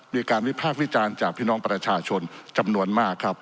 วิพากษ์วิจารณ์จากพี่น้องประชาชนจำนวนมากครับ